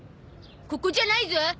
ここじゃないゾ。